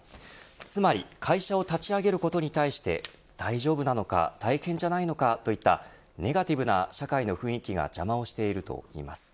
つまり会社を立ち上げることに対して大丈夫なのか大変じゃないのかといったネガティブな社会の雰囲気が邪魔をしているといいます。